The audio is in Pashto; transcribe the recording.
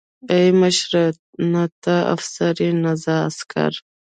ای مشره ای نه ته افسر يې نه زه عسکر.